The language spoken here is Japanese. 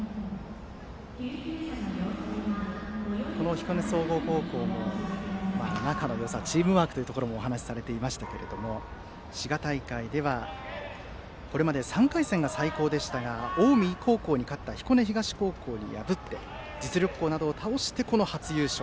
彦根総合高校も、仲のよさチームワークというところもお話されていましたけれど滋賀大会ではこれまで３回戦が最高でしたが近江高校に勝った彦根東高校を破って実力校などを倒して初優勝。